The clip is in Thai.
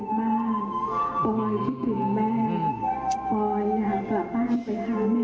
ทำให้น้องเสียชีวิตในที่เกิดเหตุพอเส้นใจน้องปอยพูดออกมาว่า